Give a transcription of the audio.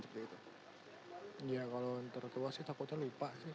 ya kalau terkeluar sih takutnya lupa